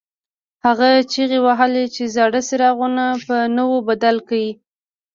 هغه چیغې وهلې چې زاړه څراغونه په نویو بدل کړئ.